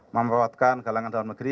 membuatkan galangan dalam negeri